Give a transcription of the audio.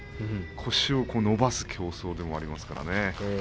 腰を伸ばす競争でもありますからね。